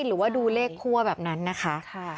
หรือว่าดูเลขคั่วแบบนั้นนะคะ